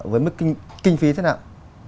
với mức kinh phí thế nào